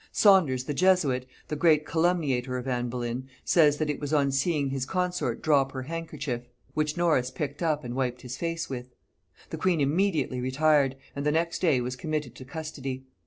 Saunders the Jesuit, the great calumniator of Anne Boleyn, says that it was on seeing his consort drop her handkerchief, which Norris picked up and wiped his face with. The queen immediately retired, and the next day was committed to custody.